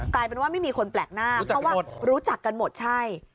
กลายเป็นว่าไม่มีคนแปลกหน้าเพราะว่ารู้จักกันหมดใช่